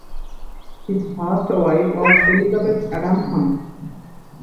His first wife was Elizabeth Adamson.